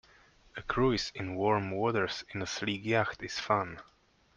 A cruise in warm waters in a sleek yacht is fun.